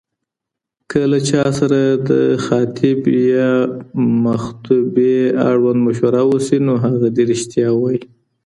که له چاسره دخاطب يامخطوبې اړوند مشوره وسي، نو هغه دي رښتيا ووايي